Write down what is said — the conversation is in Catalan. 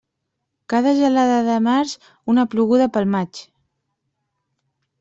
Cada gelada de març, una ploguda pel maig.